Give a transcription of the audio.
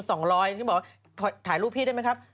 ถ่ายรูปพี่อาทิตย์ได้ไหมครับ